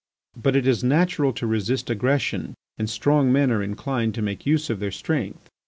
But it is natural to resist aggression and strong men are inclined to make use of their strength.